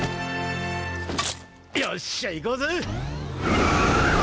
よっしゃ行こうぜ！